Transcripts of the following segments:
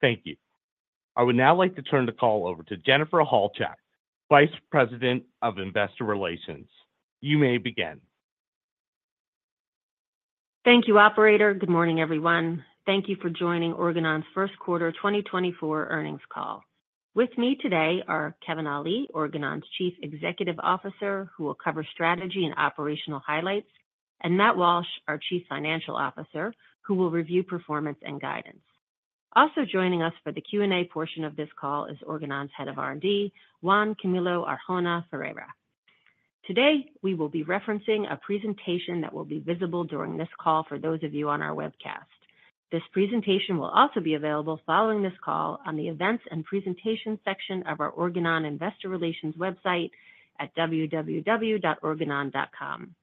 Thank you. I would now like to turn the call over to Jennifer Halchak, Vice President of Investor Relations. You may begin. Thank you, Operator. Good morning, everyone. Thank you for joining Organon's first quarter 2024 earnings call. With me today are Kevin Ali, Organon's Chief Executive Officer, who will cover strategy and operational highlights, and Matt Walsh, our Chief Financial Officer, who will review performance and guidance. Also joining us for the Q&A portion of this call is Organon's Head of R&D, Juan Camilo Arjona Ferreira. Today we will be referencing a presentation that will be visible during this call for those of you on our webcast. This presentation will also be available following this call on the Events and Presentations section of our Organon Investor Relations website at www.organon.com.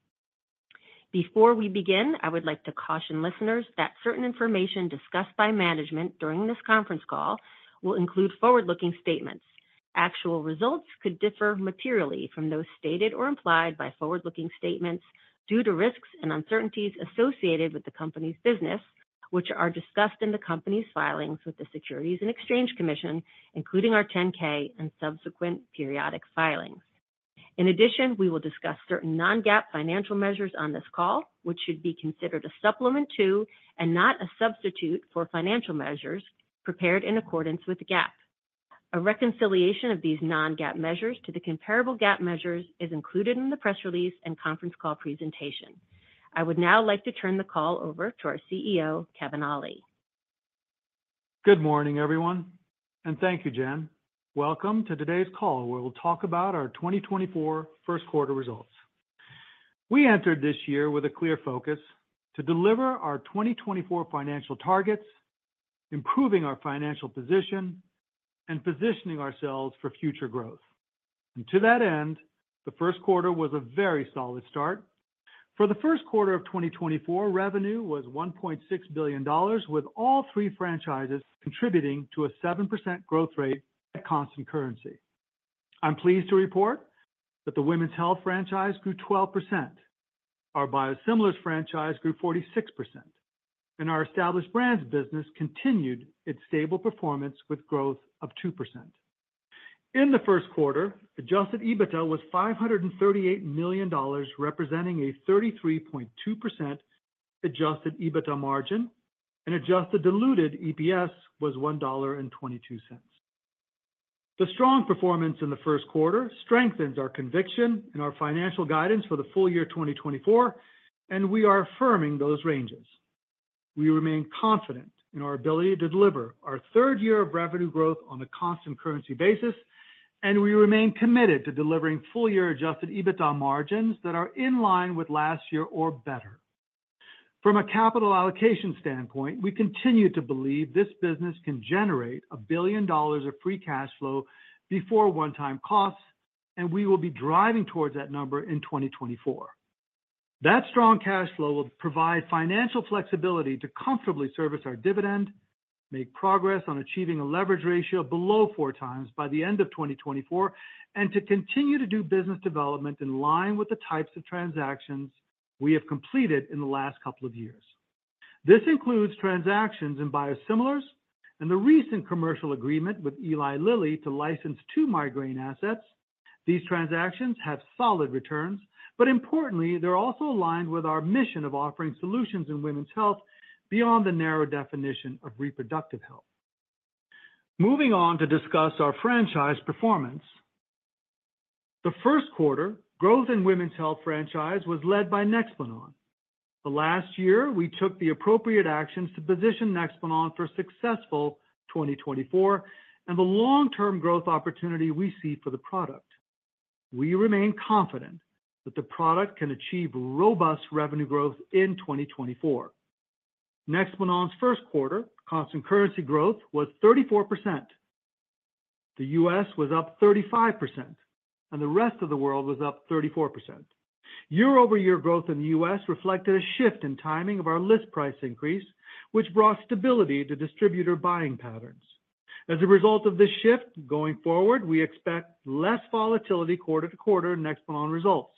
Before we begin, I would like to caution listeners that certain information discussed by management during this conference call will include forward-looking statements. Actual results could differ materially from those stated or implied by forward-looking statements due to risks and uncertainties associated with the company's business, which are discussed in the company's filings with the Securities and Exchange Commission, including our 10-K and subsequent periodic filings. In addition, we will discuss certain non-GAAP financial measures on this call, which should be considered a supplement to and not a substitute for financial measures prepared in accordance with the GAAP. A reconciliation of these non-GAAP measures to the comparable GAAP measures is included in the press release and conference call presentation. I would now like to turn the call over to our CEO, Kevin Ali. Good morning, everyone. Thank you, Jen. Welcome to today's call where we'll talk about our 2024 first quarter results. We entered this year with a clear focus to deliver our 2024 financial targets, improving our financial position, and positioning ourselves for future growth. To that end, the first quarter was a very solid start. For the first quarter of 2024, revenue was $1.6 billion, with all three franchises contributing to a 7% growth rate at constant currency. I'm pleased to report that the Women's Health franchise grew 12%, our Biosimilar franchise grew 46%, and our Established Brands business continued its stable performance with growth of 2%. In the first quarter, adjusted EBITDA was $538 million, representing a 33.2% adjusted EBITDA margin, and adjusted diluted EPS was $1.22. The strong performance in the first quarter strengthens our conviction in our financial guidance for the full-year 2024, and we are affirming those ranges. We remain confident in our ability to deliver our third year of revenue growth on a constant currency basis, and we remain committed to delivering full-year adjusted EBITDA margins that are in line with last year or better. From a capital allocation standpoint, we continue to believe this business can generate $1 billion of free cash flow before one-time costs, and we will be driving towards that number in 2024. That strong cash flow will provide financial flexibility to comfortably service our dividend, make progress on achieving a leverage ratio below four times by the end of 2024, and to continue to do business development in line with the types of transactions we have completed in the last couple of years. This includes transactions in Biosimilars and the recent commercial agreement with Eli Lilly to license two migraine assets. These transactions have solid returns, but importantly, they're also aligned with our mission of offering solutions in Women's Health beyond the narrow definition of reproductive health. Moving on to discuss our franchise performance. The first quarter, Growth in Women's Health franchise, was led by Nexplanon. The last year, we took the appropriate actions to position Nexplanon for a successful 2024 and the long-term growth opportunity we see for the product. We remain confident that the product can achieve robust revenue growth in 2024. Nexplanon's first quarter, constant currency growth, was 34%. The U.S. was up 35%, and the rest of the world was up 34%. Year-over-year growth in the U.S. reflected a shift in timing of our list price increase, which brought stability to distributor buying patterns. As a result of this shift, going forward, we expect less volatility quarter-to-quarter in Nexplanon results.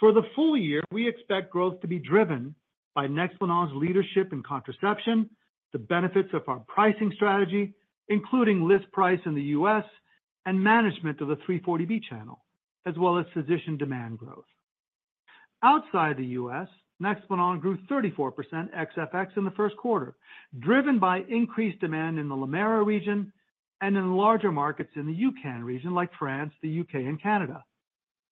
For the full-year, we expect growth to be driven by Nexplanon's leadership in contraception, the benefits of our pricing strategy, including list price in the U.S., and management of the 340B channel, as well as physician demand growth. Outside the U.S., Nexplanon grew 34% ex-FX in the first quarter, driven by increased demand in the LAMERA region and in larger markets in the EUCAN region like France, the U.K., and Canada.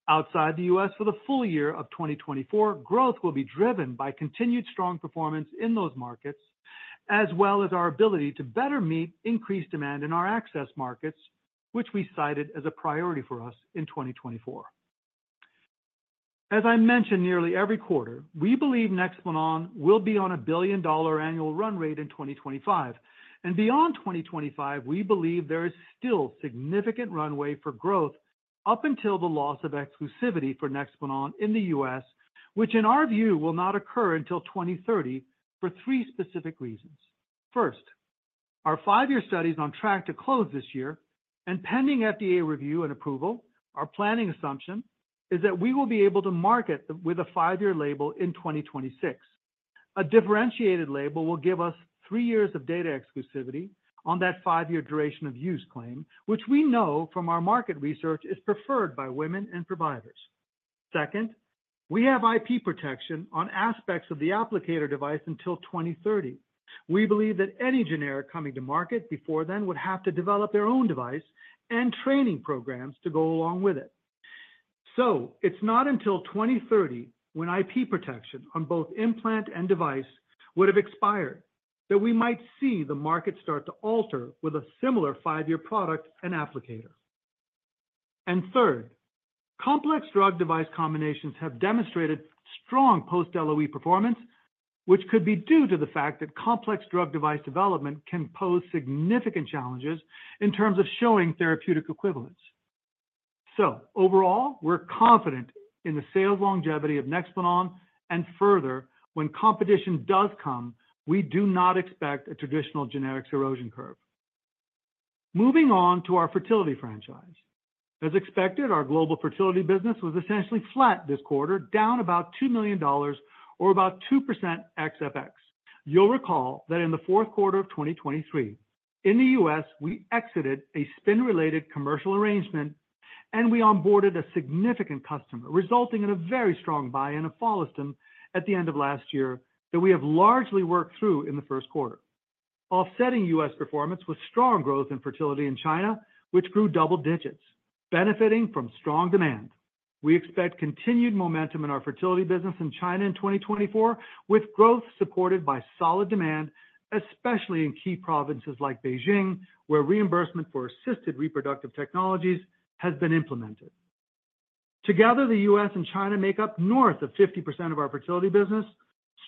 Outside the U.S., for the full-year of 2024, growth will be driven by continued strong performance in those markets, as well as our ability to better meet increased demand in our access markets, which we cited as a priority for us in 2024. As I mentioned nearly every quarter, we believe Nexplanon will be on a $1 billion annual run rate in 2025. Beyond 2025, we believe there is still significant runway for growth up until the loss of exclusivity for Nexplanon in the U.S., which in our view will not occur until 2030 for three specific reasons. First, our five-year study is on track to close this year, and pending FDA review and approval, our planning assumption is that we will be able to market with a five-year label in 2026. A differentiated label will give us three years of data exclusivity on that five-year duration of use claim, which we know from our market research is preferred by women and providers. Second, we have IP protection on aspects of the applicator device until 2030. We believe that any generic coming to market before then would have to develop their own device and training programs to go along with it. So it's not until 2030 when IP protection on both implant and device would have expired that we might see the market start to alter with a similar five-year product and applicator. And third, complex drug-device combinations have demonstrated strong post-LOE performance, which could be due to the fact that complex drug-device development can pose significant challenges in terms of showing therapeutic equivalence. So overall, we're confident in the sales longevity of Nexplanon. And further, when competition does come, we do not expect a traditional generics erosion curve. Moving on to our fertility franchise. As expected, our global fertility business was essentially flat this quarter, down about $2 million or about 2% ex-FX. You'll recall that in the fourth quarter of 2023, in the U.S., we exited a spin-related commercial arrangement, and we onboarded a significant customer, resulting in a very strong buy-in of Follistim at the end of last year that we have largely worked through in the first quarter. Offsetting U.S. performance was strong growth in fertility in China, which grew double digits, benefiting from strong demand. We expect continued momentum in our fertility business in China in 2024 with growth supported by solid demand, especially in key provinces like Beijing, where reimbursement for assisted reproductive technologies has been implemented. Together, the U.S. and China make up north of 50% of our fertility business.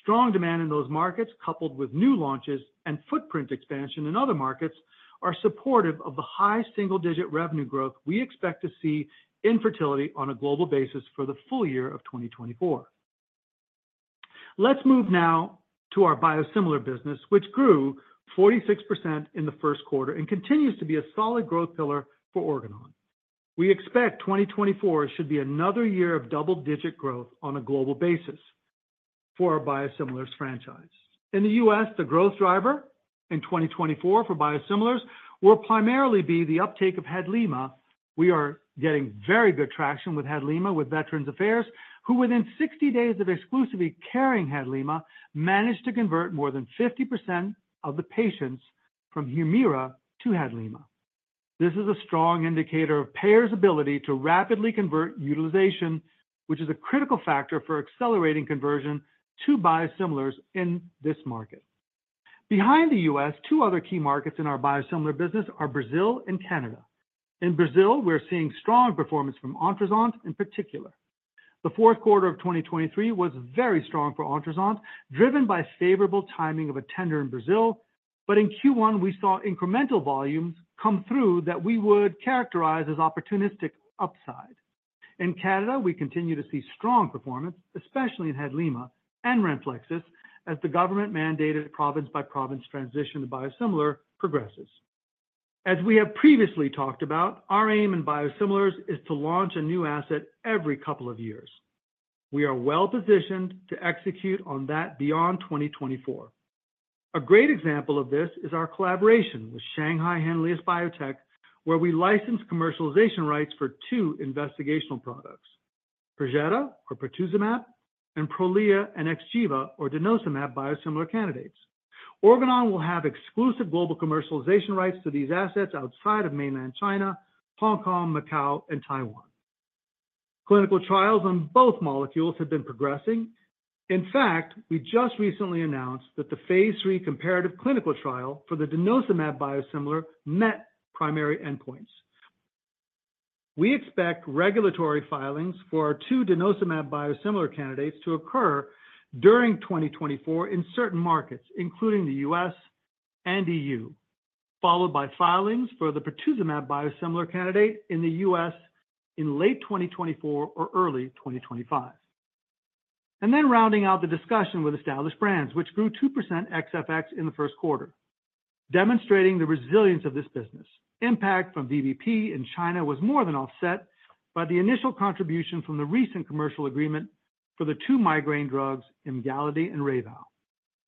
Strong demand in those markets, coupled with new launches and footprint expansion in other markets, are supportive of the high single-digit revenue growth we expect to see in fertility on a global basis for the full-year of 2024. Let's move now to our Biosimilar business, which grew 46% in the first quarter and continues to be a solid growth pillar for Organon. We expect 2024 should be another year of double-digit growth on a global basis for our Biosimilars franchise. In the U.S., the growth driver in 2024 for Biosimilars will primarily be the uptake of Hadlima. We are getting very good traction with Hadlima with Veterans Affairs, who within 60 days of exclusively carrying Hadlima managed to convert more than 50% of the patients from Humira to Hadlima. This is a strong indicator of payers' ability to rapidly convert utilization, which is a critical factor for accelerating conversion to biosimilars in this market. Behind the U.S., two other key markets in our biosimilar business are Brazil and Canada. In Brazil, we're seeing strong performance from Ontruzant in particular. The fourth quarter of 2023 was very strong for Ontruzant, driven by favorable timing of a tender in Brazil. But in Q1, we saw incremental volumes come through that we would characterize as opportunistic upside. In Canada, we continue to see strong performance, especially in Hadlima and Renflexis, as the government-mandated province-by-province transition to biosimilar progresses. As we have previously talked about, our aim in biosimilars is to launch a new asset every couple of years. We are well positioned to execute on that beyond 2024. A great example of this is our collaboration with Shanghai Henlius Biotech, where we license commercialization rights for two investigational products: Perjeta, or pertuzumab, and Prolia and Xgeva, or denosumab, Biosimilar candidates. Organon will have exclusive global commercialization rights to these assets outside of mainland China, Hong Kong, Macau, and Taiwan. Clinical trials on both molecules have been progressing. In fact, we just recently announced that the phase III comparative clinical trial for the denosumab biosimilar met primary endpoints. We expect regulatory filings for our two denosumab biosimilar candidates to occur during 2024 in certain markets, including the U.S. and EU, followed by filings for the pertuzumab biosimilar candidate in the U.S. in late 2024 or early 2025. And then rounding out the discussion with Established Brands, which grew 2% ex-FX in the first quarter, demonstrating the resilience of this business. Impact from VBP in China was more than offset by the initial contribution from the recent commercial agreement for the two migraine drugs, Emgality and Rayvow.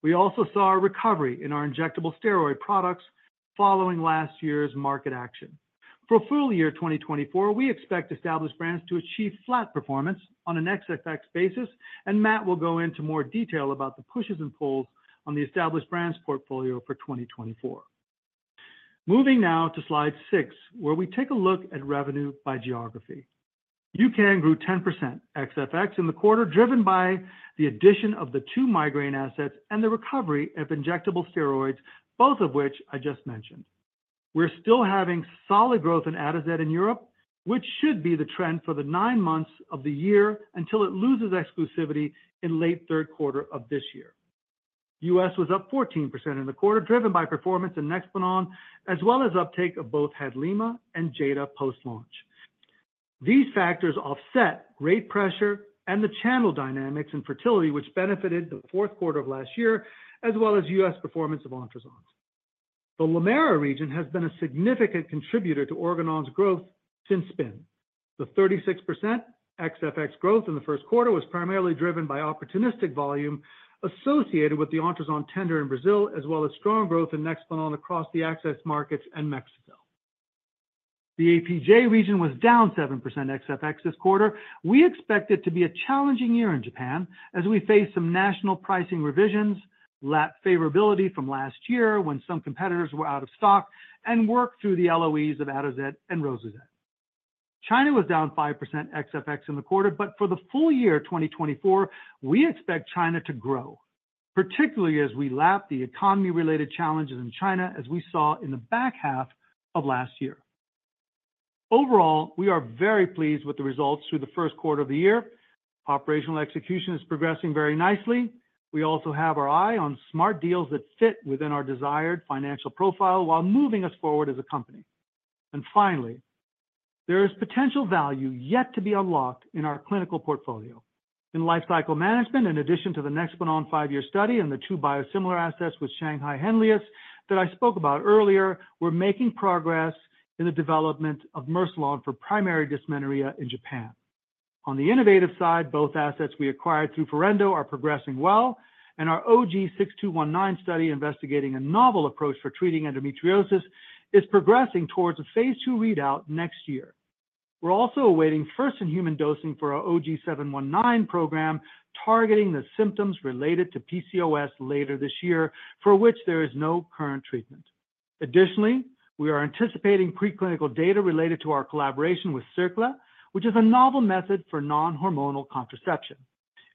We also saw a recovery in our injectable steroid products following last year's market action. For full-year 2024, we expect Established Brands to achieve flat performance on an ex-FX basis, and Matt will go into more detail about the pushes and pulls on the Established Brands portfolio for 2024. Moving now to slide six, where we take a look at revenue by geography. U.K. grew 10% ex-FX in the quarter, driven by the addition of the two migraine assets and the recovery of injectable steroids, both of which I just mentioned. We're still having solid growth in Atozet in Europe, which should be the trend for the 9 months of the year until it loses exclusivity in late third quarter of this year. U.S. was up 14% in the quarter, driven by performance in Nexplanon, as well as uptake of both Hadlima and Jada post-launch. These factors offset rate pressure and the channel dynamics in fertility, which benefited the fourth quarter of last year, as well as U.S. performance of Ontruzant. The LAMERA region has been a significant contributor to Organon's growth since spin. The 36% ex-FX growth in the first quarter was primarily driven by opportunistic volume associated with the Ontruzant tender in Brazil, as well as strong growth in Nexplanon across the access markets and Mexico. The APJ region was down 7% ex-FX this quarter. We expect it to be a challenging year in Japan as we face some national pricing revisions, lap favorability from last year when some competitors were out of stock, and work through the LOEs of Atozet and Rosuzet. China was down 5% ex-FX in the quarter, but for the full-year 2024, we expect China to grow, particularly as we lap the economy-related challenges in China as we saw in the back half of last year. Overall, we are very pleased with the results through the first quarter of the year. Operational execution is progressing very nicely. We also have our eye on smart deals that fit within our desired financial profile while moving us forward as a company. And finally, there is potential value yet to be unlocked in our clinical portfolio. In lifecycle management, in addition to the Nexplanon five-year study and the two biosimilar assets with Shanghai Henlius that I spoke about earlier, we're making progress in the development of Mercilon for primary dysmenorrhea in Japan. On the innovative side, both assets we acquired through Forendo are progressing well, and our OG6219 study investigating a novel approach for treating endometriosis is progressing towards a phase II readout next year. We're also awaiting first-in-human dosing for our OG719 program targeting the symptoms related to PCOS later this year, for which there is no current treatment. Additionally, we are anticipating preclinical data related to our collaboration with Cirqle, which is a novel method for non-hormonal contraception.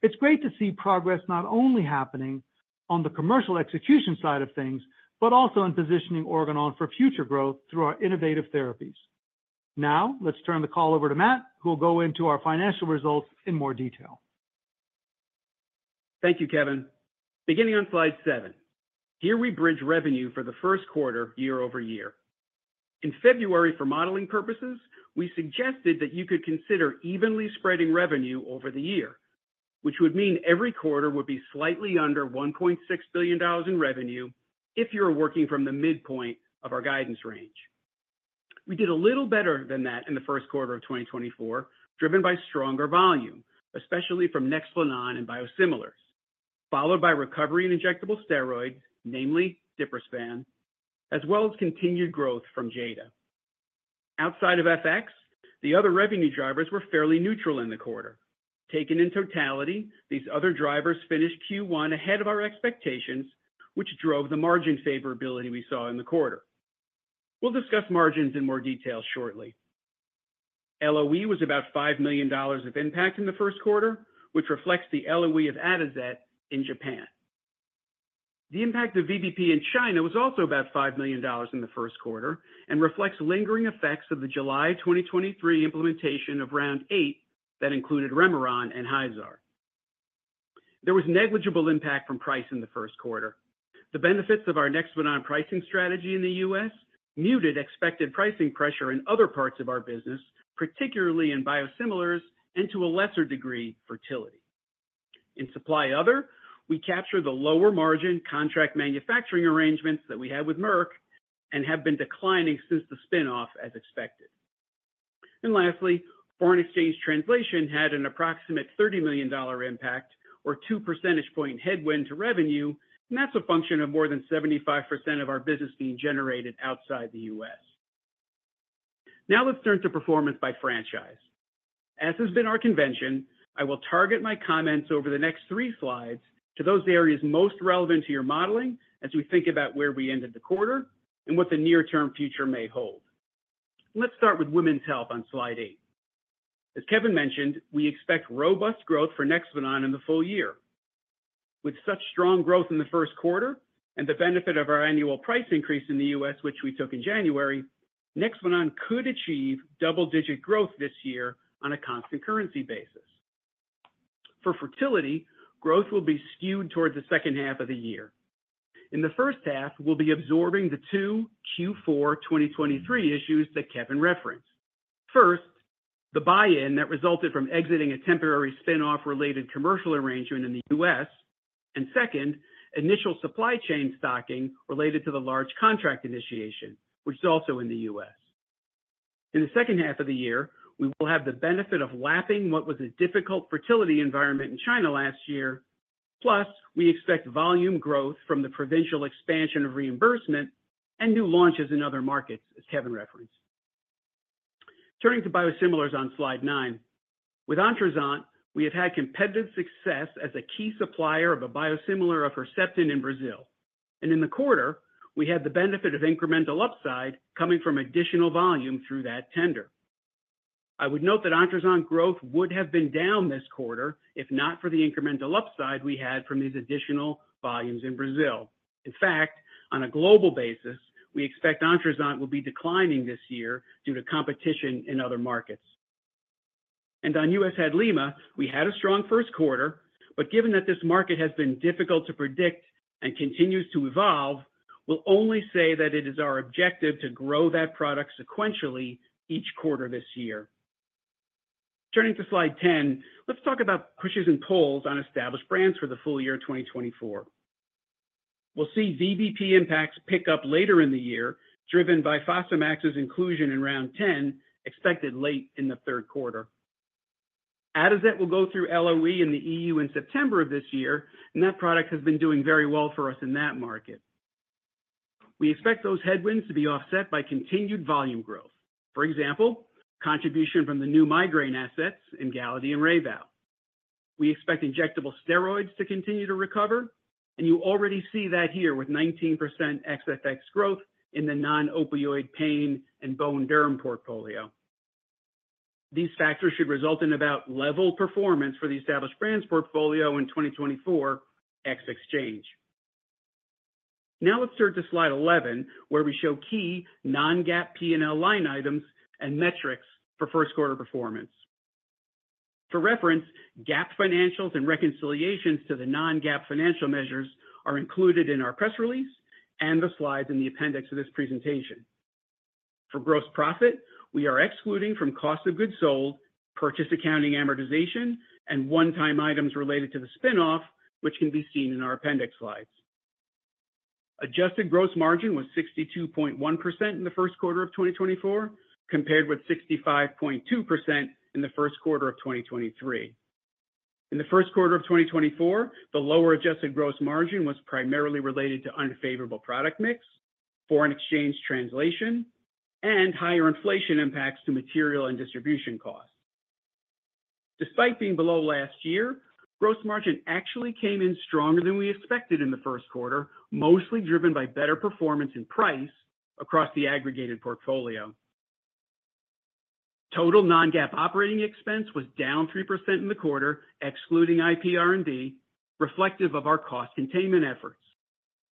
It's great to see progress not only happening on the commercial execution side of things, but also in positioning Organon for future growth through our innovative therapies. Now, let's turn the call over to Matt, who will go into our financial results in more detail. Thank you, Kevin. Beginning on slide seven, here we bridge revenue for the first quarter year-over-year. In February, for modeling purposes, we suggested that you could consider evenly spreading revenue over the year, which would mean every quarter would be slightly under $1.6 billion in revenue if you were working from the midpoint of our guidance range. We did a little better than that in the first quarter of 2024, driven by stronger volume, especially from Nexplanon and biosimilars, followed by recovery in injectable steroids, namely Diprospan, as well as continued growth from Jada. Outside of FX, the other revenue drivers were fairly neutral in the quarter. Taken in totality, these other drivers finished Q1 ahead of our expectations, which drove the margin favorability we saw in the quarter. We'll discuss margins in more detail shortly. LOE was about $5 million of impact in the first quarter, which reflects the LOE of Atozet in Japan. The impact of VBP in China was also about $5 million in the first quarter and reflects lingering effects of the July 2023 implementation of Round Eight that included Remeron and Hyzaar. There was negligible impact from price in the first quarter. The benefits of our Nexplanon pricing strategy in the U.S. muted expected pricing pressure in other parts of our business, particularly in Biosimilars and to a lesser degree fertility. In Supply Other, we captured the lower margin contract manufacturing arrangements that we had with Merck and have been declining since the spinoff as expected. And lastly, Foreign Exchange Translation had an approximate $30 million impact or 2 percentage point headwind to revenue, and that's a function of more than 75% of our business being generated outside the U.S. Now let's turn to performance by franchise. As has been our convention, I will target my comments over the next three slides to those areas most relevant to your modeling as we think about where we ended the quarter and what the near-term future may hold. Let's start with Women's Health on slide eight. As Kevin mentioned, we expect robust growth for Nexplanon in the full-year. With such strong growth in the first quarter and the benefit of our annual price increase in the U.S., which we took in January, Nexplanon could achieve double-digit growth this year on a constant currency basis. For fertility, growth will be skewed towards the second half of the year. In the first half, we'll be absorbing the two Q4 2023 issues that Kevin referenced. First, the buy-in that resulted from exiting a temporary spinoff-related commercial arrangement in the U.S., and second, initial supply chain stocking related to the large contract initiation, which is also in the U.S. In the second half of the year, we will have the benefit of lapping what was a difficult fertility environment in China last year. Plus, we expect volume growth from the provincial expansion of reimbursement and new launches in other markets, as Kevin referenced. Turning to biosimilars on slide nine, with Ontruzant, we have had competitive success as a key supplier of a biosimilar of Herceptin in Brazil. In the quarter, we had the benefit of incremental upside coming from additional volume through that tender. I would note that Ontruzant growth would have been down this quarter if not for the incremental upside we had from these additional volumes in Brazil. In fact, on a global basis, we expect Ontruzant will be declining this year due to competition in other markets. And on U.S. Hadlima, we had a strong first quarter, but given that this market has been difficult to predict and continues to evolve, we'll only say that it is our objective to grow that product sequentially each quarter this year. Turning to slide 10, let's talk about pushes and pulls on Established Brands for the full-year 2024. We'll see VBP impacts pick up later in the year, driven by Fosamax's inclusion in Round 10, expected late in the third quarter. Atozet will go through LOE in the EU in September of this year, and that product has been doing very well for us in that market. We expect those headwinds to be offset by continued volume growth, for example, contribution from the new migraine assets, Emgality and Rayvow. We expect injectable steroids to continue to recover, and you already see that here with 19% ex-FX growth in the non-opioid pain and bone derm portfolio. These factors should result in about level performance for the Established Brands portfolio in 2024 ex-FX. Now let's turn to slide 11, where we show key non-GAAP P&L line items and metrics for first quarter performance. For reference, GAAP financials and reconciliations to the non-GAAP financial measures are included in our press release and the slides in the appendix of this presentation. For gross profit, we are excluding from cost of goods sold, purchase accounting amortization, and one-time items related to the spinoff, which can be seen in our appendix slides. Adjusted gross margin was 62.1% in the first quarter of 2024, compared with 65.2% in the first quarter of 2023. In the first quarter of 2024, the lower adjusted gross margin was primarily related to unfavorable product mix, foreign exchange translation, and higher inflation impacts to material and distribution costs. Despite being below last year, gross margin actually came in stronger than we expected in the first quarter, mostly driven by better performance and price across the aggregated portfolio. Total non-GAAP operating expense was down 3% in the quarter, excluding IPR&D, reflective of our cost containment efforts.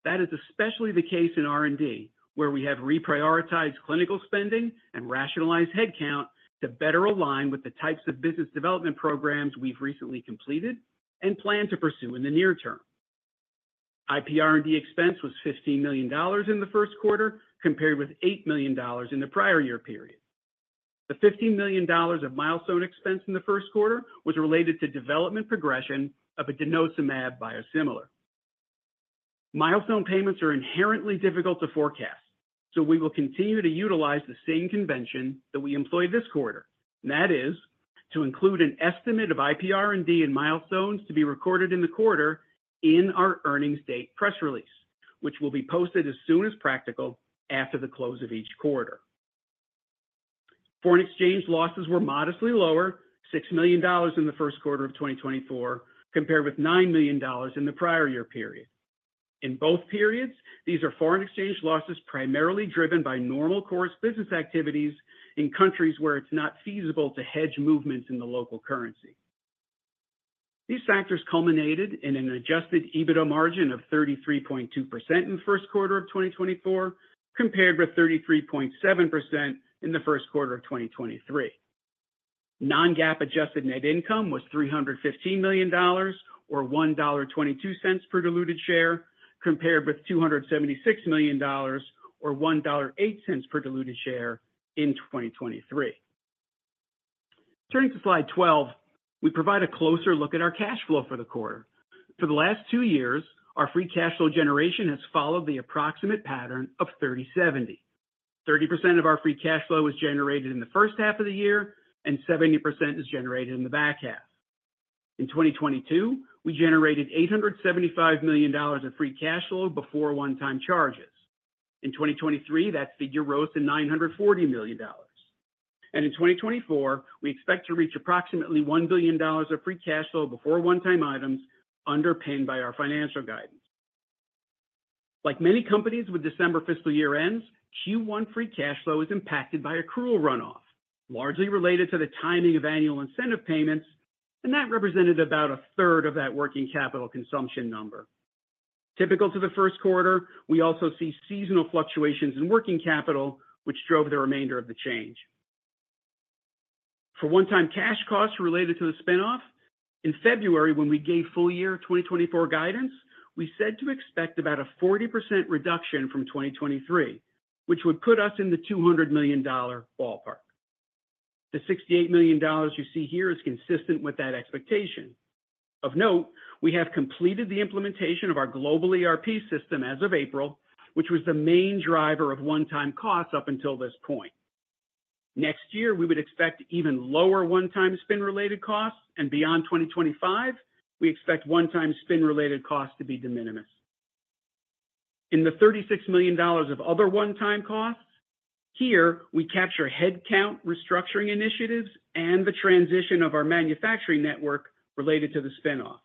That is especially the case in R&D, where we have reprioritized clinical spending and rationalized headcount to better align with the types of business development programs we've recently completed and plan to pursue in the near term. IPR&D expense was $15 million in the first quarter, compared with $8 million in the prior year period. The $15 million of milestone expense in the first quarter was related to development progression of a denosumab biosimilar. Milestone payments are inherently difficult to forecast, so we will continue to utilize the same convention that we employed this quarter, and that is to include an estimate of IPR&D and milestones to be recorded in the quarter in our earnings date press release, which will be posted as soon as practical after the close of each quarter. Foreign exchange losses were modestly lower, $6 million in the first quarter of 2024, compared with $9 million in the prior year period. In both periods, these are foreign exchange losses primarily driven by normal course business activities in countries where it's not feasible to hedge movements in the local currency. These factors culminated in an adjusted EBITDA margin of 33.2% in the first quarter of 2024, compared with 33.7% in the first quarter of 2023. Non-GAAP adjusted net income was $315 million or $1.22 per diluted share, compared with $276 million or $1.08 per diluted share in 2023. Turning to slide 12, we provide a closer look at our cash flow for the quarter. For the last two years, our free cash flow generation has followed the approximate pattern of 30/70. 30% of our free cash flow was generated in the first half of the year, and 70% is generated in the back half. In 2022, we generated $875 million of free cash flow before one-time charges. In 2023, that figure rose to $940 million. In 2024, we expect to reach approximately $1 billion of free cash flow before one-time items underpinned by our financial guidance. Like many companies with December fiscal year ends, Q1 free cash flow is impacted by accrual runoff, largely related to the timing of annual incentive payments, and that represented about a third of that working capital consumption number. Typical to the first quarter, we also see seasonal fluctuations in working capital, which drove the remainder of the change. For one-time cash costs related to the spinoff, in February, when we gave full-year 2024 guidance, we said to expect about a 40% reduction from 2023, which would put us in the $200 million ballpark. The $68 million you see here is consistent with that expectation. Of note, we have completed the implementation of our global ERP system as of April, which was the main driver of one-time costs up until this point. Next year, we would expect even lower one-time spin-related costs, and beyond 2025, we expect one-time spin-related costs to be de minimis. In the $36 million of other one-time costs, here, we capture headcount restructuring initiatives and the transition of our manufacturing network related to the spinoff.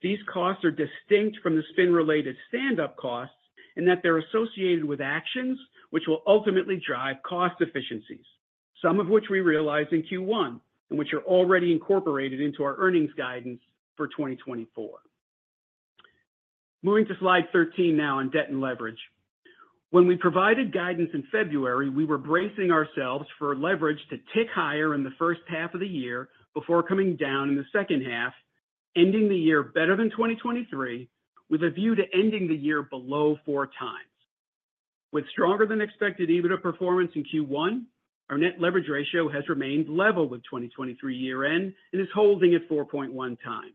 These costs are distinct from the spin-related standup costs in that they're associated with actions which will ultimately drive cost efficiencies, some of which we realized in Q1 and which are already incorporated into our earnings guidance for 2024. Moving to slide 13 now on debt and leverage. When we provided guidance in February, we were bracing ourselves for leverage to tick higher in the first half of the year before coming down in the second half, ending the year better than 2023 with a view to ending the year below 4x. With stronger than expected EBITDA performance in Q1, our net leverage ratio has remained level with 2023 year-end and is holding at 4.1 times.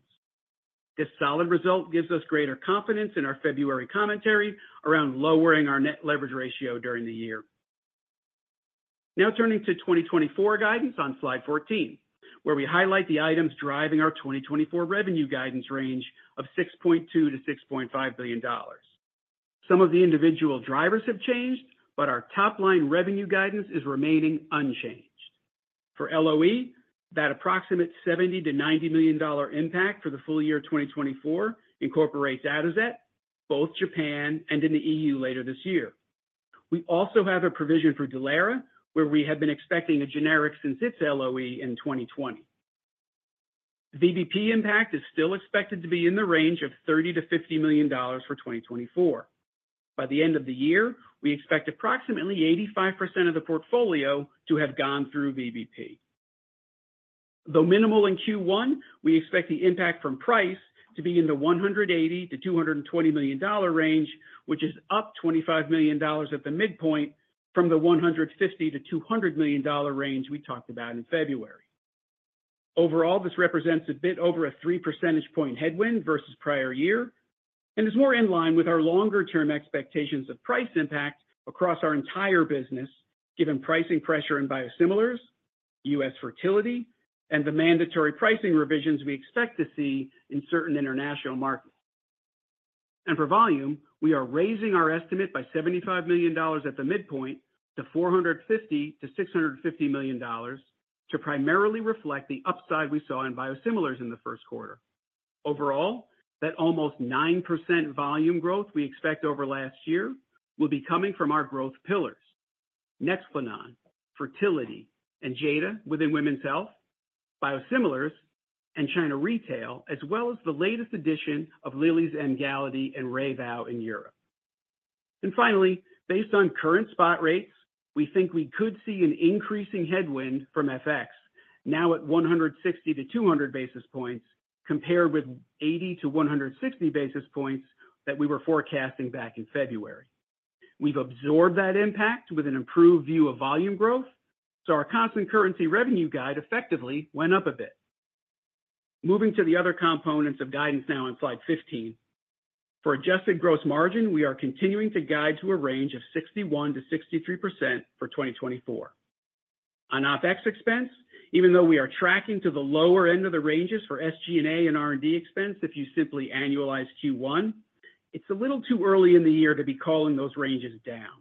This solid result gives us greater confidence in our February commentary around lowering our net leverage ratio during the year. Now turning to 2024 guidance on slide 14, where we highlight the items driving our 2024 revenue guidance range of $6.2-$6.5 billion. Some of the individual drivers have changed, but our top-line revenue guidance is remaining unchanged. For LOE, that approximate $70-$90 million impact for the full year 2024 incorporates Atozet, both Japan and in the EU later this year. We also have a provision for Dulera, where we have been expecting a generic since its LOE in 2020. VBP impact is still expected to be in the range of $30-$50 million for 2024. By the end of the year, we expect approximately 85% of the portfolio to have gone through VBP. Though minimal in Q1, we expect the impact from price to be in the $180-$220 million range, which is up $25 million at the midpoint from the $150-$200 million range we talked about in February. Overall, this represents a bit over a three percentage point headwind versus prior year and is more in line with our longer-term expectations of price impact across our entire business given pricing pressure in Biosimilars, U.S. fertility, and the mandatory pricing revisions we expect to see in certain international markets. For volume, we are raising our estimate by $75 million at the midpoint to $450-$650 million to primarily reflect the upside we saw in Biosimilars in the first quarter. Overall, that almost 9% volume growth we expect over last year will be coming from our growth pillars: Nexplanon, fertility, and Jada within Women's Health, Biosimilars, and China Retail, as well as the latest addition of Lilly's Emgality and Rayvow in Europe. And finally, based on current spot rates, we think we could see an increasing headwind from FX now at 160-200 basis points compared with 80-160 basis points that we were forecasting back in February. We've absorbed that impact with an improved view of volume growth, so our constant currency revenue guide effectively went up a bit. Moving to the other components of guidance now on slide 15. For adjusted gross margin, we are continuing to guide to a range of 61%-63% for 2024. On OpEx expense, even though we are tracking to the lower end of the ranges for SG&A and R&D expense, if you simply annualize Q1, it's a little too early in the year to be calling those ranges down.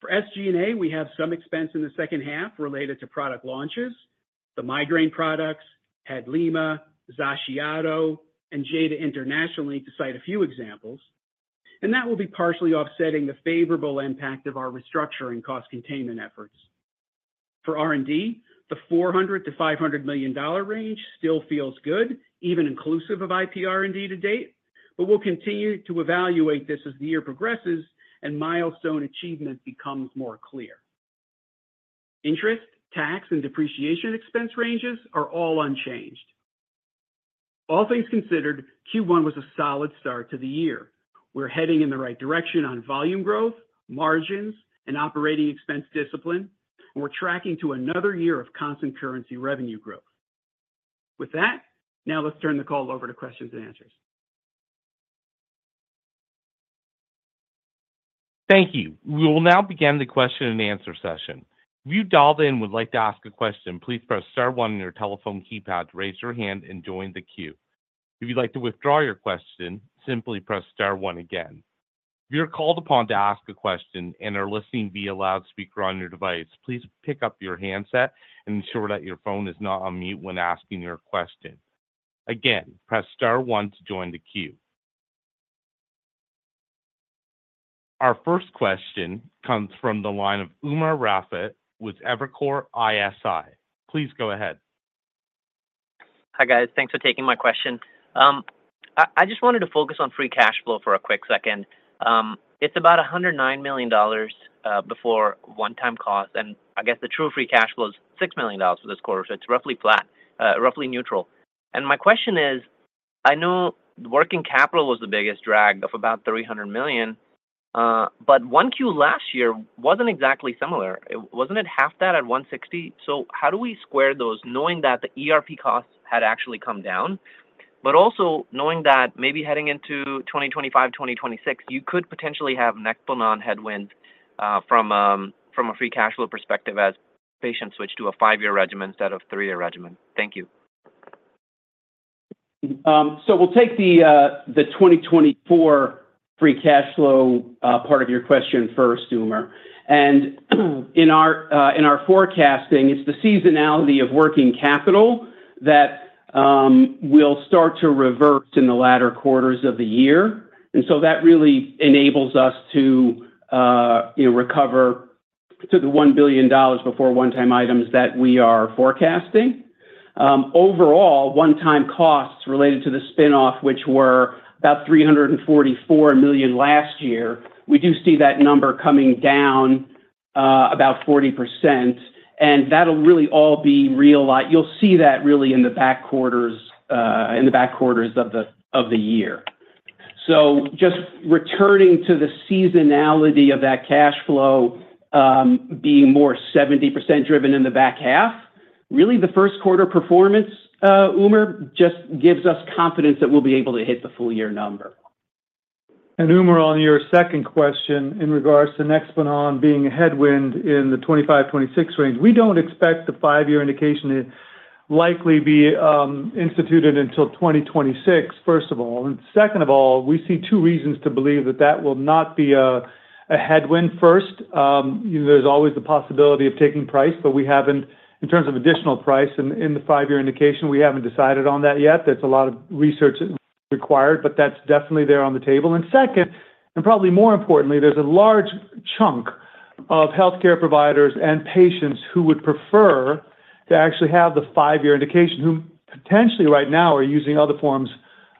For SG&A, we have some expense in the second half related to product launches: the migraine products, Hadlima, Xaciato, and Jada internationally, to cite a few examples. And that will be partially offsetting the favorable impact of our restructuring cost containment efforts. For R&D, the $400-$500 million range still feels good, even inclusive of IPR&D to date, but we'll continue to evaluate this as the year progresses and milestone achievement becomes more clear. Interest, tax, and depreciation expense ranges are all unchanged. All things considered, Q1 was a solid start to the year. We're heading in the right direction on volume growth, margins, and operating expense discipline, and we're tracking to another year of constant currency revenue growth. With that, now let's turn the call over to questions and answers. Thank you. We will now begin the question and answer session. If you dialed in and would like to ask a question, please press star one on your telephone keypad to raise your hand and join the queue. If you'd like to withdraw your question, simply press star one again. If you're called upon to ask a question and are listening via loudspeaker on your device, please pick up your handset and ensure that your phone is not on mute when asking your question. Again, press star one to join the queue. Our first question comes from the line of Umer Raffat with Evercore ISI. Please go ahead. Hi guys. Thanks for taking my question. I just wanted to focus on free cash flow for a quick second. It's about $109 million before one-time costs, and I guess the true free cash flow is $6 million for this quarter, so it's roughly flat, roughly neutral. My question is, I know working capital was the biggest drag of about $300 million, but Q1 last year wasn't exactly similar. Wasn't it half that at $160? So how do we square those knowing that the ERP costs had actually come down, but also knowing that maybe heading into 2025, 2026, you could potentially have Nexplanon headwinds, from a free cash flow perspective as patients switch to a five-year regimen instead of three-year regimen? Thank you. So we'll take the 2024 free cash flow, part of your question first, Umer. And, in our forecasting, it's the seasonality of working capital that will start to revert in the latter quarters of the year. And so that really enables us to, you know, recover to the $1 billion before one-time items that we are forecasting. Overall, one-time costs related to the spinoff, which were about $344 million last year, we do see that number coming down, about 40%. And that'll really all be real light. You'll see that really in the back quarters of the year. So just returning to the seasonality of that cash flow, being more 70% driven in the back half, really the first quarter performance, Umer, just gives us confidence that we'll be able to hit the full-year number. And Umer, on your second question, in regards to Nexplanon being a headwind in the 2025/2026 range, we don't expect the five-year indication to likely be instituted until 2026, first of all. And second of all, we see two reasons to believe that that will not be a headwind. First, you know, there's always the possibility of taking price, but we haven't in terms of additional price in the five-year indication, we haven't decided on that yet. That's a lot of research required, but that's definitely there on the table. And second, and probably more importantly, there's a large chunk of healthcare providers and patients who would prefer to actually have the five-year indication, who potentially right now are using other forms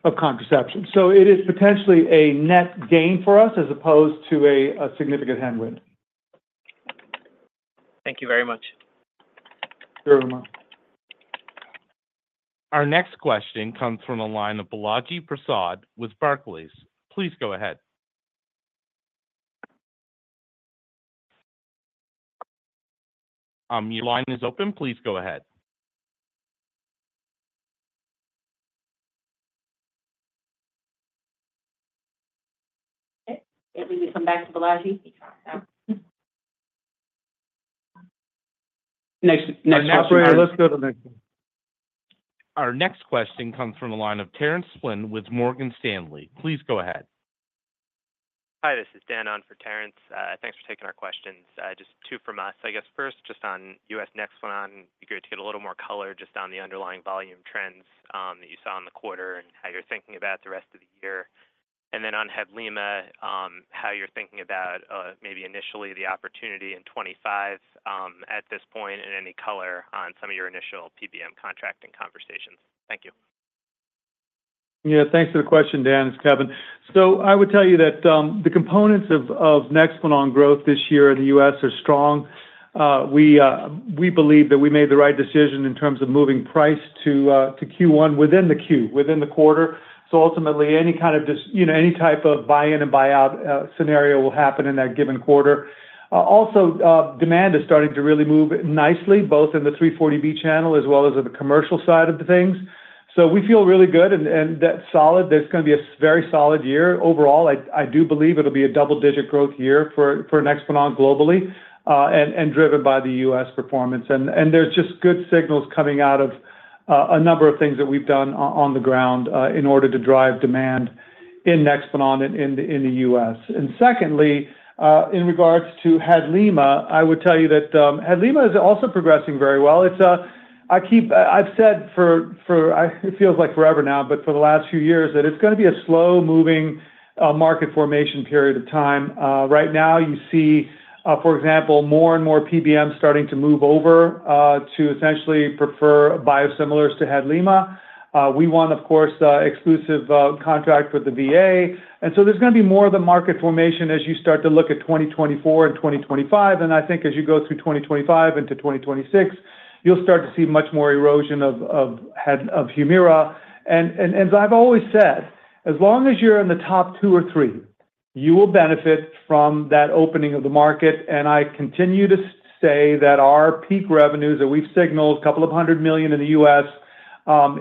of contraception. So it is potentially a net gain for us as opposed to a significant headwind. Thank you very much. Sure, Umer. Our next question comes from a line of Balaji Prasad with Barclays. Please go ahead. Your line is open. Please go ahead. It may be come back to Balaji. Next, next question. Let's go to the next one. Our next question comes from a line of Terence Flynn with Morgan Stanley. Please go ahead. Hi, this is Dan Ahn for Terence. Thanks for taking our questions. Just two from us. I guess first, just on U.S. Nexplanon, it'd be great to get a little more color just on the underlying volume trends that you saw in the quarter and how you're thinking about the rest of the year. And then on Hadlima, how you're thinking about, maybe initially the opportunity in 2025, at this point, and any color on some of your initial PBM contracting conversations. Thank you. Yeah, thanks for the question, Dan. It's Kevin. So I would tell you that the components of Nexplanon growth this year in the U.S. are strong. We believe that we made the right decision in terms of moving price to Q1 within the quarter. So ultimately, any kind of, you know, any type of buy-in and buy-out scenario will happen in that given quarter. Also, demand is starting to really move nicely, both in the 340B channel as well as on the commercial side of things. So we feel really good, and that's solid. There's going to be a very solid year. Overall, I do believe it'll be a double-digit growth year for Nexplanon globally, and driven by the U.S. performance. And there's just good signals coming out of a number of things that we've done on the ground, in order to drive demand in Nexplanon in the U.S. And secondly, in regards to Hadlima, I would tell you that Hadlima is also progressing very well. It's, I keep I've said for it feels like forever now, but for the last few years that it's going to be a slow-moving market formation period of time. Right now, you see, for example, more and more PBMs starting to move over to essentially prefer biosimilars to Hadlima. We want, of course, the exclusive contract with the VA. And so there's going to be more of the market formation as you start to look at 2024 and 2025. And I think as you go through 2025 into 2026, you'll start to see much more erosion of Hadlima of Humira. And as I've always said, as long as you're in the top two or three, you will benefit from that opening of the market. And I continue to stay that our peak revenues that we've signaled, $200 million in the U.S.,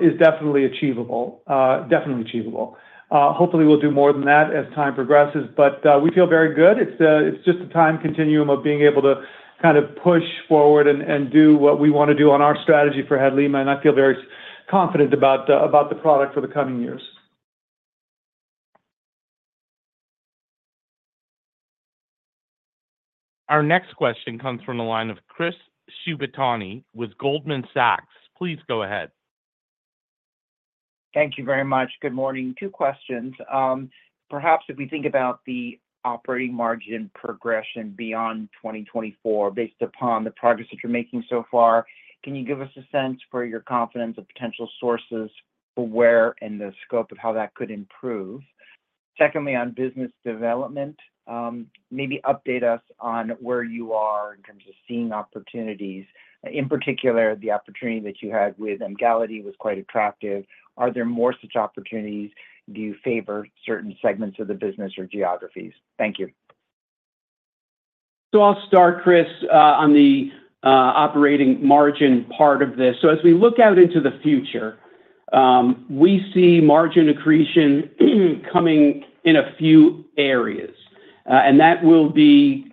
is definitely achievable, definitely achievable. Hopefully, we'll do more than that as time progresses. But we feel very good. It's just a time continuum of being able to kind of push forward and do what we want to do on our strategy for Hadlima. And I feel very confident about the product for the coming years. Our next question comes from a line of Chris Shibutani with Goldman Sachs. Please go ahead. Thank you very much. Good morning. Two questions. Perhaps if we think about the operating margin progression beyond 2024 based upon the progress that you're making so far, can you give us a sense for your confidence of potential sources for where and the scope of how that could improve? Secondly, on business development, maybe update us on where you are in terms of seeing opportunities. In particular, the opportunity that you had with Emgality was quite attractive. Are there more such opportunities? Do you favor certain segments of the business or geographies? Thank you. So I'll start, Chris, on the operating margin part of this. So as we look out into the future, we see margin accretion coming in a few areas. And that will be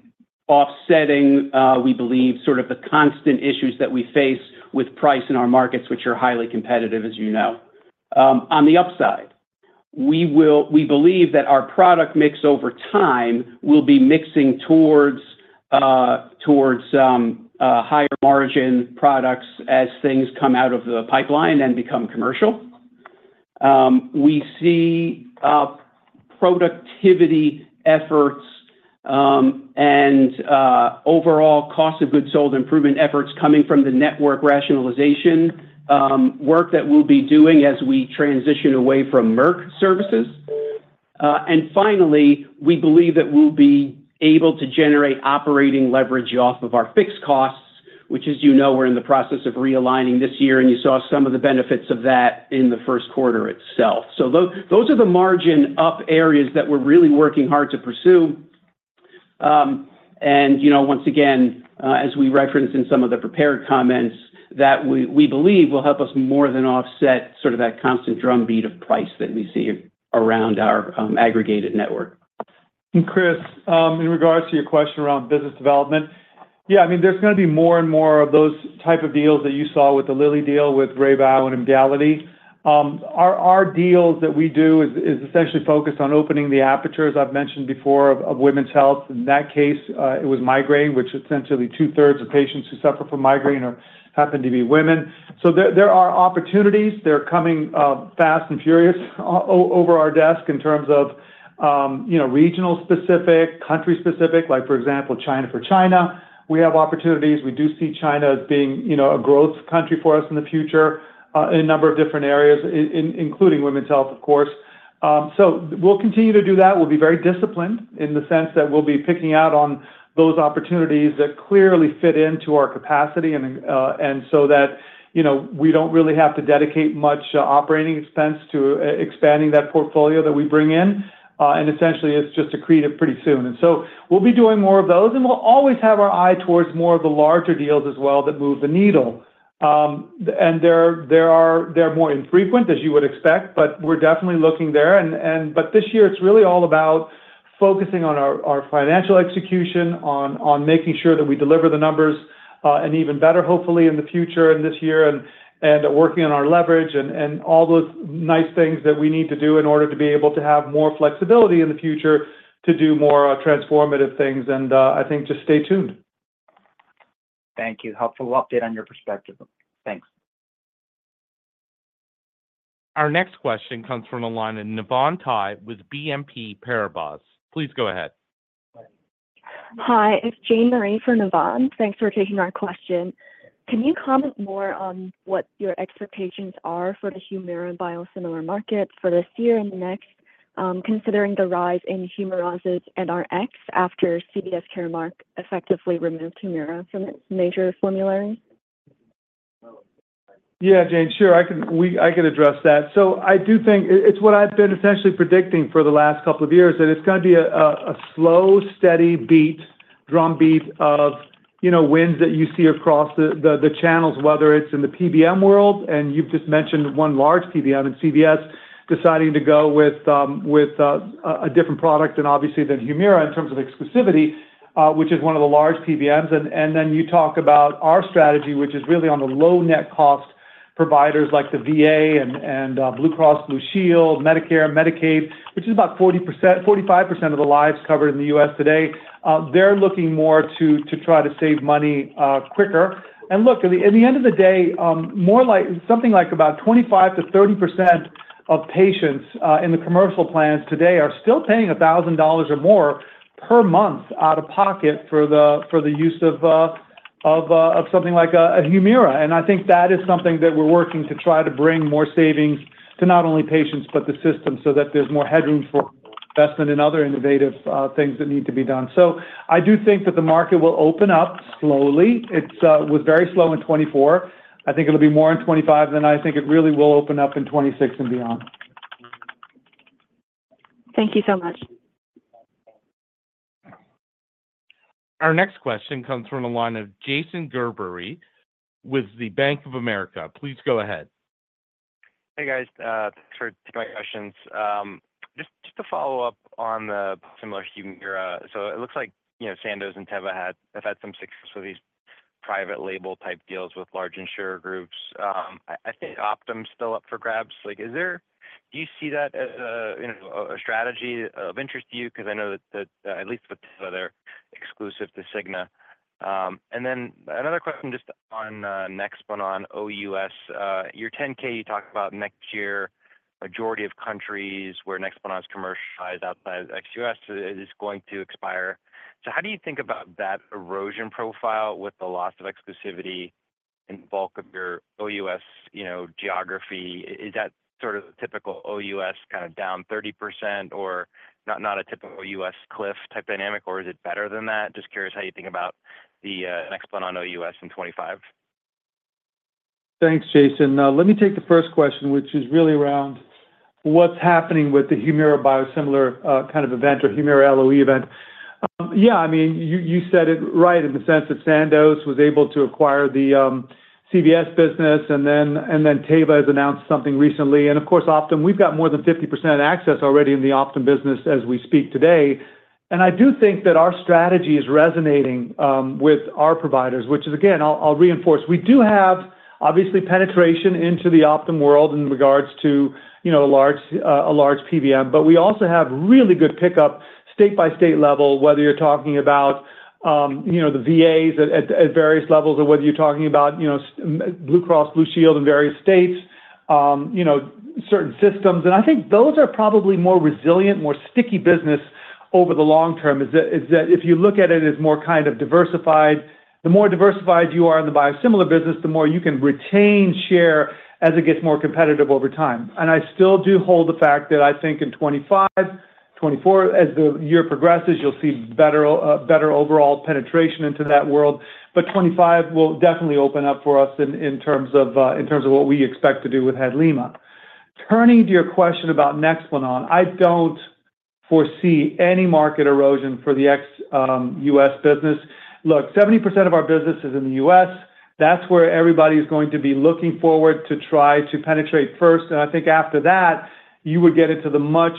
offsetting, we believe, sort of the constant issues that we face with price in our markets, which are highly competitive, as you know. On the upside, we will we believe that our product mix over time will be mixing towards, towards, higher margin products as things come out of the pipeline and become commercial. We see productivity efforts, and overall cost of goods sold improvement efforts coming from the network rationalization work that we'll be doing as we transition away from Merck services. and finally, we believe that we'll be able to generate operating leverage off of our fixed costs, which, as you know, we're in the process of realigning this year, and you saw some of the benefits of that in the first quarter itself. So those are the margin up areas that we're really working hard to pursue. and, you know, once again, as we referenced in some of the prepared comments, that we, we believe will help us more than offset sort of that constant drumbeat of price that we see around our, aggregated network. And Chris, in regards to your question around business development, yeah, I mean, there's going to be more and more of those type of deals that you saw with the Lilly deal with Rayvow and Emgality. Our deals that we do is essentially focused on opening the apertures, I've mentioned before, of Women's Health. In that case, it was migraine, which essentially two-thirds of patients who suffer from migraine happen to be women. So there are opportunities. They're coming fast and furious over our desk in terms of, you know, regional-specific, country-specific, like, for example, China for China. We have opportunities. We do see China as being, you know, a growth country for us in the future, in a number of different areas, including Women's Health, of course. So we'll continue to do that. We'll be very disciplined in the sense that we'll be picking out on those opportunities that clearly fit into our capacity and so that, you know, we don't really have to dedicate much operating expense to expanding that portfolio that we bring in. And essentially, it's just accretive pretty soon. And so we'll be doing more of those, and we'll always have our eye towards more of the larger deals as well that move the needle. And they're more infrequent, as you would expect, but we're definitely looking there. But this year, it's really all about focusing on our financial execution, on making sure that we deliver the numbers, and even better, hopefully, in the future and this year, and working on our leverage and all those nice things that we need to do in order to be able to have more flexibility in the future to do more transformative things. I think just stay tuned. Thank you. Helpful update on your perspective. Thanks. Our next question comes from a line of Navann Ty with BNP Paribas. Please go ahead. Hi. It's Jeanne-Marie for Navann. Thanks for taking our question. Can you comment more on what your expectations are for the Humira and biosimilar markets for this year and next, considering the rise in Humira bios and Rx after CVS Caremark effectively removed Humira from its major formularies? Yeah, Jane. Sure. I can address that. So I do think it's what I've been essentially predicting for the last couple of years, that it's going to be a slow, steady drumbeat of, you know, wins that you see across the channels, whether it's in the PBM world. And you've just mentioned one large PBM in CVS deciding to go with a different product than, obviously, than Humira in terms of exclusivity, which is one of the large PBMs. And then you talk about our strategy, which is really on the low-net-cost providers like the VA and Blue Cross Blue Shield, Medicare, Medicaid, which is about 40%-45% of the lives covered in the U.S. today. They're looking more to try to save money quicker. And look, at the end of the day, more like something like about 25%-30% of patients in the commercial plans today are still paying $1,000 or more per month out of pocket for the use of something like a Humira. And I think that is something that we're working to try to bring more savings to not only patients but the system so that there's more headroom for investment in other innovative things that need to be done. So I do think that the market will open up slowly. It was very slow in 2024. I think it'll be more in 2025 than I think it really will open up in 2026 and beyond. Thank you so much. Our next question comes from a line of Jason Gerberry with the Bank of America. Please go ahead. Hey, guys. Thanks for taking my questions. Just to follow up on the biosimilars, Humira. So it looks like, you know, Sandoz and Teva have had some success with these private label type deals with large insurer groups. I think Optum's still up for grabs. Like, do you see that as a strategy of interest to you? Because I know that, at least with Teva, they're exclusive to Cigna. And then another question just on Nexplanon, OUS. Your 10K, you talked about next year, majority of countries where Nexplanon's commercialized outside of the ex-U.S. is going to expire. So how do you think about that erosion profile with the loss of exclusivity in the bulk of your OUS, you know, geography? Is that sort of typical OUS kind of down 30% or not a typical U.S. cliff type dynamic? Or is it better than that? Just curious how you think about the Nexplanon OUS in 2025? Thanks, Jason. Let me take the first question, which is really around what's happening with the Humira biosimilar, kind of event or Humira LOE event. Yeah, I mean, you, you said it right in the sense that Sandoz was able to acquire the CVS business, and then and then Teva has announced something recently. And of course, Optum, we've got more than 50% access already in the Optum business as we speak today. And I do think that our strategy is resonating with our providers, which is again, I'll, I'll reinforce, we do have, obviously, penetration into the Optum world in regards to, you know, a large, a large PBM. But we also have really good pickup at the state-by-state level, whether you're talking about, you know, the VAs at various levels or whether you're talking about, you know, some Blue Cross Blue Shield in various states, you know, certain systems. And I think those are probably more resilient, more sticky business over the long term. That is, if you look at it as more kind of diversified, the more diversified you are in the biosimilar business, the more you can retain share as it gets more competitive over time. And I still do hold the fact that I think in 2025, 2024, as the year progresses, you'll see better, better overall penetration into that world. But 2025 will definitely open up for us in terms of what we expect to do with Hadlima. Turning to your question about Nexplanon, I don't foresee any market erosion for the ex-U.S. business. Look, 70% of our business is in the U.S. That's where everybody's going to be looking forward to try to penetrate first. And I think after that, you would get into the much,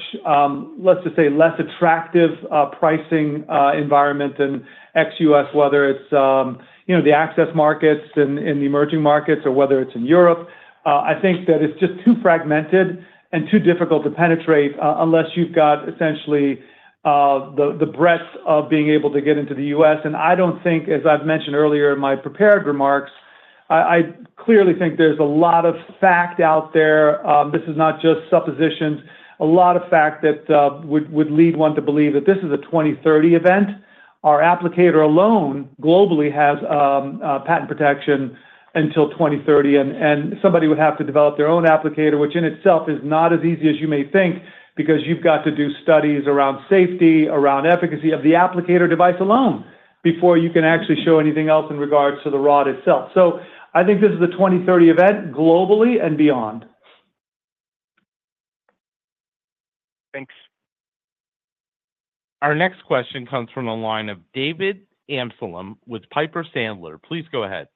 let's just say, less attractive pricing environment than ex-U.S., whether it's, you know, the access markets in the emerging markets or whether it's in Europe. I think that it's just too fragmented and too difficult to penetrate, unless you've got essentially the breadth of being able to get into the U.S. And I don't think, as I've mentioned earlier in my prepared remarks, I clearly think there's a lot of fact out there. This is not just suppositions. A lot of fact that would lead one to believe that this is a 2030 event. Our applicator alone globally has patent protection until 2030. And somebody would have to develop their own applicator, which in itself is not as easy as you may think because you've got to do studies around safety, around efficacy of the applicator device alone before you can actually show anything else in regards to the rod itself. So I think this is the 2030 event globally and beyond. Thanks. Our next question comes from a line of David Amsallem with Piper Sandler. Please go ahead.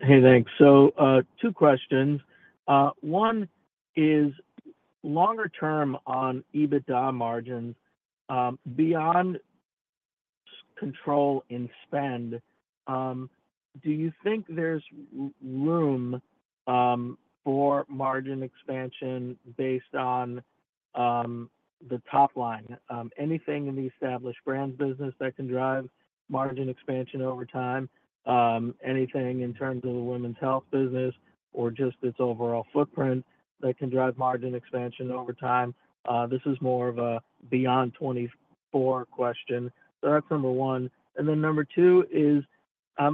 Hey, thanks. So, two questions. One is longer-term on EBITDA margins. Beyond SG&A control in spend, do you think there's room for margin expansion based on the top line? Anything in the Established Brands business that can drive margin expansion over time? Anything in terms of the Women's Health business or just its overall footprint that can drive margin expansion over time? This is more of a beyond 2024 question. So that's number one. And then number two is,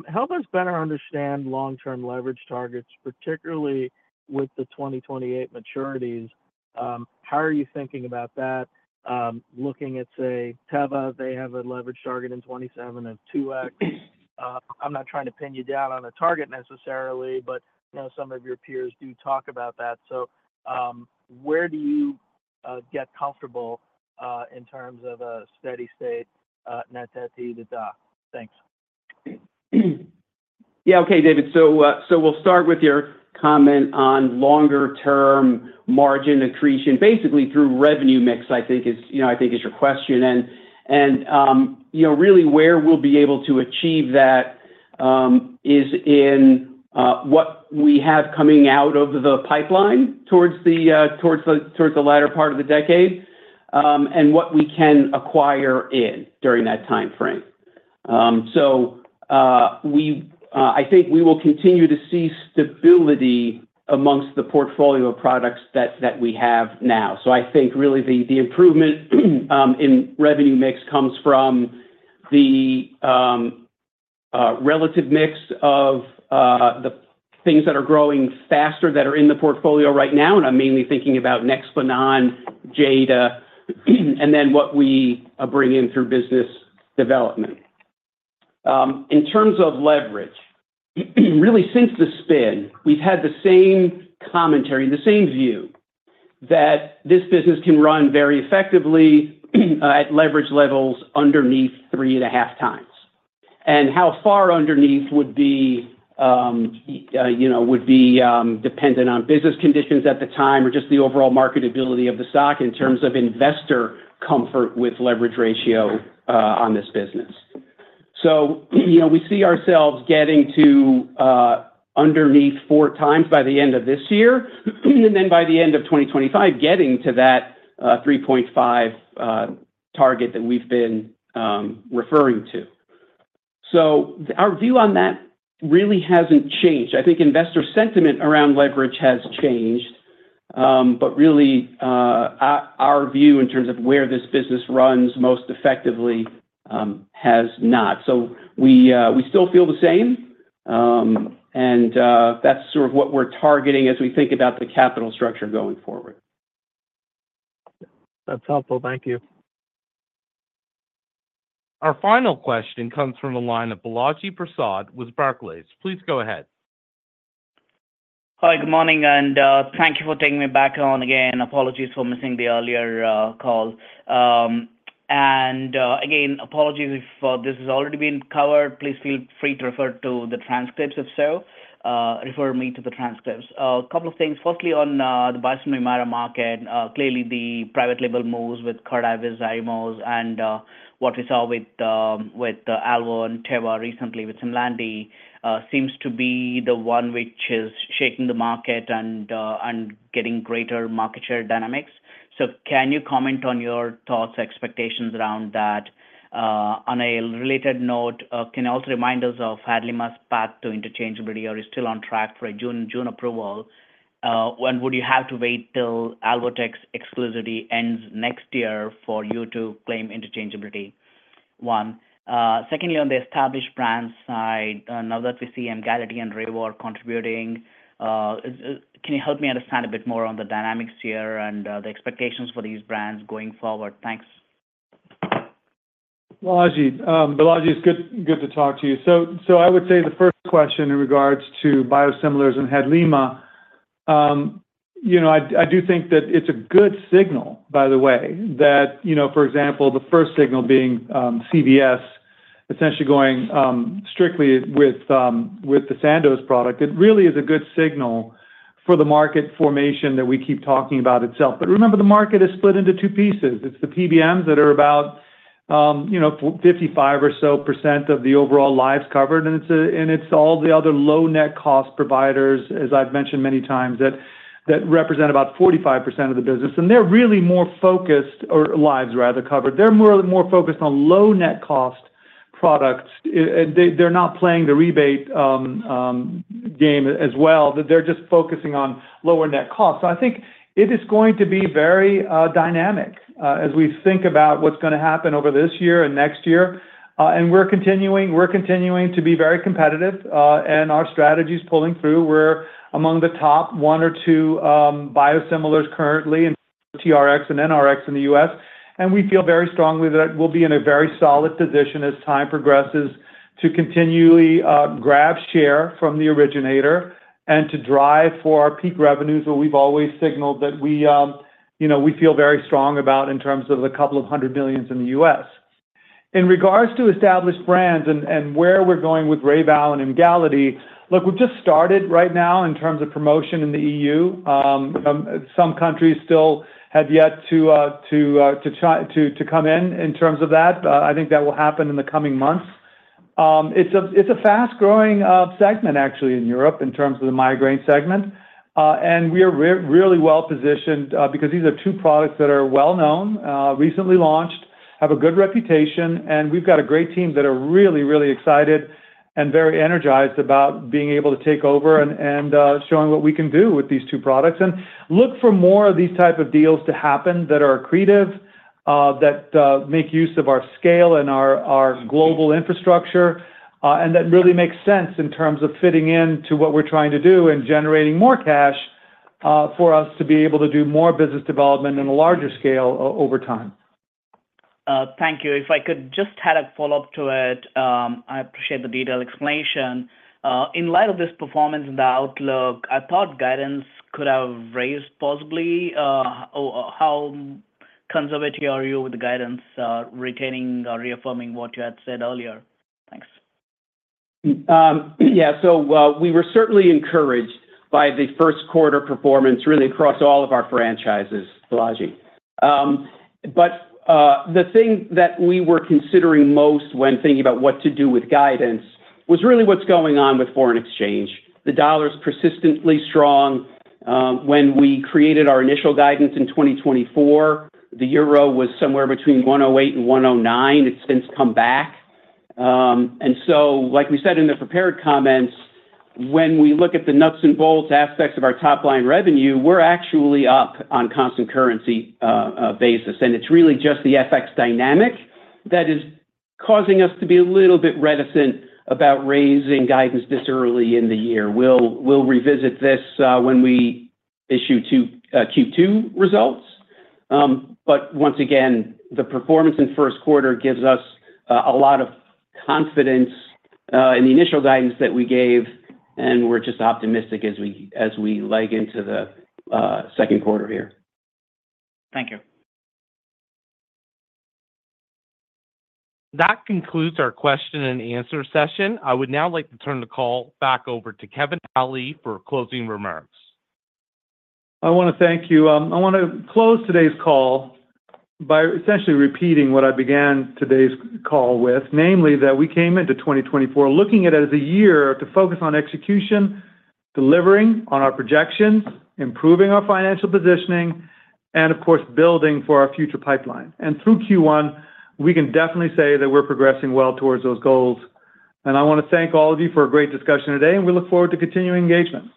help us better understand long-term leverage targets, particularly with the 2028 maturities. How are you thinking about that? Looking at say, Teva, they have a leverage target in 2027 of 2x. I'm not trying to pin you down on a target necessarily, but you know, some of your peers do talk about that. So, where do you get comfortable in terms of a steady state, net debt to EBITDA? Thanks. Yeah. Okay, David. So we'll start with your comment on longer-term margin accretion, basically through revenue mix, I think, is, you know, I think, your question. And, you know, really, where we'll be able to achieve that, is in what we have coming out of the pipeline towards the latter part of the decade, and what we can acquire during that time frame. So, I think we will continue to see stability amongst the portfolio of products that we have now. So I think really the improvement in revenue mix comes from the relative mix of the things that are growing faster that are in the portfolio right now. And I'm mainly thinking about Nexplanon, Jada, and then what we bring in through business development. In terms of leverage, really, since the spin, we've had the same commentary, the same view, that this business can run very effectively, at leverage levels underneath 3.5 times. And how far underneath would be, you know, would be, dependent on business conditions at the time or just the overall marketability of the stock in terms of investor comfort with leverage ratio, on this business. So, you know, we see ourselves getting to, underneath 4 times by the end of this year. And then by the end of 2025, getting to that, 3.5 target that we've been, referring to. So our view on that really hasn't changed. I think investor sentiment around leverage has changed, but really, our view in terms of where this business runs most effectively, has not. So we, we still feel the same. That's sort of what we're targeting as we think about the capital structure going forward. That's helpful. Thank you. Our final question comes from a line of Balaji Prasad with Barclays. Please go ahead. Hi. Good morning. And thank you for taking me back on again. Apologies for missing the earlier call. And again, apologies if this has already been covered. Please feel free to refer to the transcripts if so. Refer me to the transcripts. A couple of things. First, on the biosimilar market, clearly the private label moves with Cordavis, Hyrimoz, and what we saw with Alvotech and Teva recently with Simlandi seems to be the one which is shaking the market and and getting greater market share dynamics. So can you comment on your thoughts, expectations around that? On a related note, can you also remind us of Hadlima's path to interchangeability? Are you still on track for a June, June approval? And would you have to wait till Alvotech exclusivity ends next year for you to claim interchangeability? One. Secondly, on the Established Brands side, now that we see Emgality and Rayvow contributing, is, can you help me understand a bit more on the dynamics here and the expectations for these brands going forward? Thanks. Balaji. Balaji, it's good to talk to you. So, I would say the first question in regards to biosimilars and Hadlima, you know, I do think that it's a good signal, by the way, that, you know, for example, the first signal being CVS essentially going strictly with the Sandoz product. It really is a good signal for the market formation that we keep talking about itself. But remember, the market is split into two pieces. It's the PBMs that are about, you know, 55% or so of the overall lives covered. And it's all the other low-net-cost providers, as I've mentioned many times, that represent about 45% of the business. And they're really more focused on lives, rather, covered. They're more focused on low-net-cost products. And they, they're not playing the rebate game as well. They're just focusing on lower net cost. So I think it is going to be very dynamic, as we think about what's going to happen over this year and next year. And we're continuing to be very competitive, and our strategy's pulling through. We're among the top one or two biosimilars currently in TRx and NRx in the U.S. And we feel very strongly that we'll be in a very solid position as time progresses to continually grab share from the originator and to drive for our peak revenues, what we've always signaled that we, you know, we feel very strong about in terms of the couple of hundred millions in the U.S. In regards to Established Brands and where we're going with Rayvow and Emgality, look, we've just started right now in terms of promotion in the EU. You know, some countries still have yet to try to come in in terms of that. I think that will happen in the coming months. It's a fast-growing segment, actually, in Europe in terms of the migraine segment. And we are really well-positioned, because these are two products that are well-known, recently launched, have a good reputation. And we've got a great team that are really, really excited and very energized about being able to take over and showing what we can do with these two products. Look for more of these type of deals to happen that are accretive, that make use of our scale and our global infrastructure, and that really make sense in terms of fitting into what we're trying to do and generating more cash for us to be able to do more business development on a larger scale, over time. Thank you. If I could just add a follow-up to it, I appreciate the detailed explanation. In light of this performance and the outlook, I thought guidance could have raised possibly, how conservative are you with guidance, retaining or reaffirming what you had said earlier? Thanks. Yeah. So, we were certainly encouraged by the first-quarter performance, really, across all of our franchises, Balaji. But, the thing that we were considering most when thinking about what to do with guidance was really what's going on with foreign exchange. The dollar's persistently strong. When we created our initial guidance in 2024, the euro was somewhere between 108 and 109. It's since come back. And so, like we said in the prepared comments, when we look at the nuts and bolts aspects of our top-line revenue, we're actually up on constant currency basis. And it's really just the FX dynamic that is causing us to be a little bit reticent about raising guidance this early in the year. We'll, we'll revisit this, when we issue Q2 results. But once again, the performance in first quarter gives us a lot of confidence in the initial guidance that we gave. We're just optimistic as we leg into the second quarter here. Thank you. That concludes our question-and-answer session. I would now like to turn the call back over to Kevin Ali for closing remarks. I want to thank you. I want to close today's call by essentially repeating what I began today's call with, namely that we came into 2024 looking at it as a year to focus on execution, delivering on our projections, improving our financial positioning, and, of course, building for our future pipeline. Through Q1, we can definitely say that we're progressing well towards those goals. I want to thank all of you for a great discussion today. We look forward to continuing engagement.